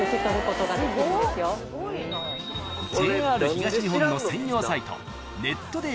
［ＪＲ東日本の専用サイト］